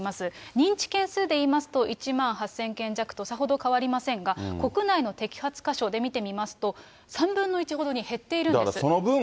認知件数でいいますと、１万８０００件弱とさほど変わりませんが、国内の摘発箇所で見てみますと、だからその分。